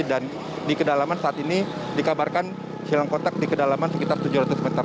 dan di kedalaman saat ini dikabarkan hilang kontak di kedalaman sekitar tujuh ratus meter